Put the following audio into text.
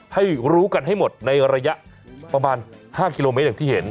ให้รู้กันให้หมดในระยะประมาณ๕กิโลเมตรอย่างที่เห็น